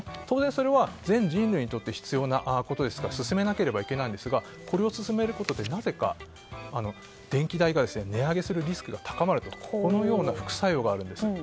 当然それは全人類にとって必要なことですから進めなければいけないんですがこれを進めることでなぜか、電気代が値上げするリスクが高まるとこのような副作用があるんです。